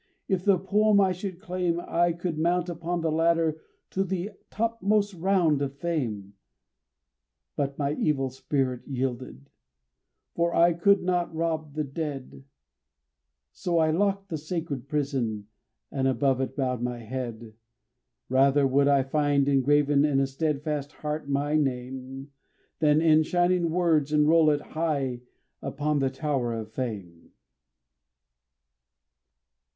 If the poem I should claim, I could mount upon the ladder to the topmost round of fame; But my evil spirit yielded; for I could not rob the dead, So I locked the sacred prison, and above it bowed my head. Rather would I find engraven in a steadfast heart my name, Than in shining words enroll it high upon the tower of fame.